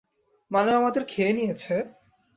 মানে ও আমাদের খেয়ে নিয়েছে?